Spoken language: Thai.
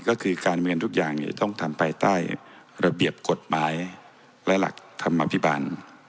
ก็คือการเมืองทุกอย่างจะต้องทำภายใต้ระเบียบกฎหมายและหลักธรรมอภิบาล